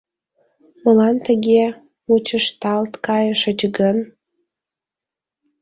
Молан тыге мучышталт кайышыч гын?